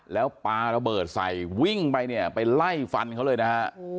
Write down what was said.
แล้วปลาระเบิดใส่วิ่งไปเนี่ยไปไล่ฟันเขาเลยนะฮะ